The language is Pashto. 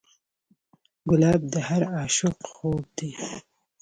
ګلاب د هر عاشق خوب دی.